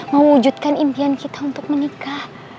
mewujudkan impian kita untuk menikah